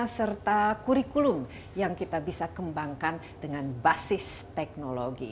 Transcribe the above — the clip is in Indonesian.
serta kurikulum yang kita bisa kembangkan dengan basis teknologi